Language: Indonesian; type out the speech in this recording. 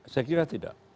saya kira tidak